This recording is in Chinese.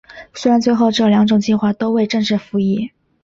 虽然最后这两种计划都未正式服役。